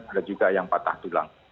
ada juga yang patah tulang